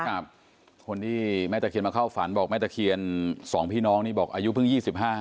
คนที่แม่ตะเคียนมาเข้าฝันบอกแม่ตะเคียนสองพี่น้องนี่บอกอายุเพิ่ง๒๕